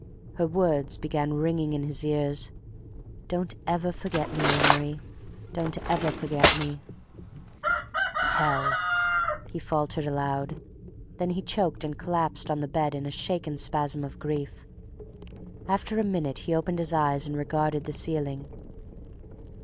Her words began ringing in his ears: "Don't ever forget me, Amory—don't ever forget me—" "Hell!" he faltered aloud, and then he choked and collapsed on the bed in a shaken spasm of grief. After a minute he opened his eyes and regarded the ceiling.